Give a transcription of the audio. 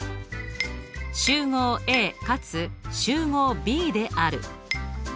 集合Ａかつ集合Ｂである。